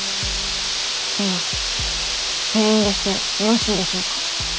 ではペン入れしてよろしいでしょうか？